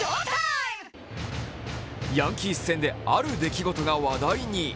ヤンキース戦である出来事が話題に。